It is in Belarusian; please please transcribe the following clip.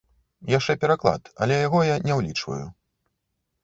Яшчэ пераклад, але яго я не ўлічваю.